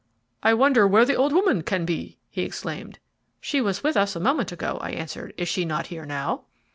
"I wonder where the old woman can be!" he exclaimed. "She was with us a moment ago," I answered "Is she not here now?"